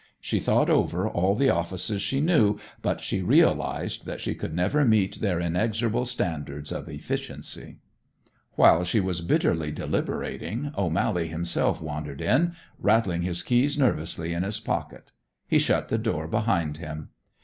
She thought over all the offices she knew, but she realized that she could never meet their inexorable standards of efficiency. While she was bitterly deliberating, O'Mally himself wandered in, rattling his keys nervously in his pocket. He shut the door behind him.